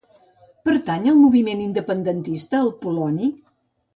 Pertany al moviment independentista el Poloni?